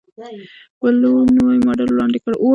ولوو نوی ماډل وړاندې کړ.